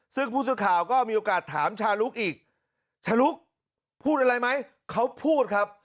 ซึ่งผู้สื่อข่าวก็มีโอกาสถามชาลุกอีกชาลุกพูดอะไรไหมเขาพูดครับ